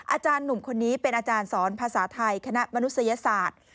อาจารย์หนุ่มคนนี้เป็นอาจารย์สอนภาษาไทยคณะมนุษยศาสตร์